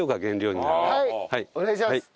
はいお願いします。